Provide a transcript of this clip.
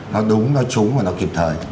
nó đúng nó trúng và nó kịp thời